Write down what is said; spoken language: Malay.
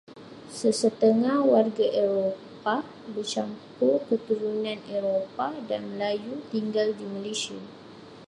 Sesetengah warga Eropah bercampur keturunan Eropah dan Melayu tinggal di Malaysia.